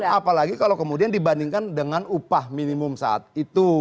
apalagi kalau kemudian dibandingkan dengan upah minimum saat itu